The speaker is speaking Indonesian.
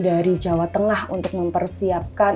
dari jawa tengah untuk mempersiapkan